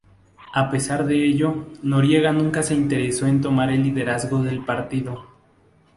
A pesar de ello, Noriega nunca se interesó en tomar el liderazgo del partido.